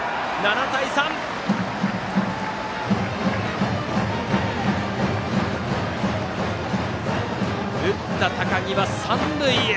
７対３！打った高木は三塁へ。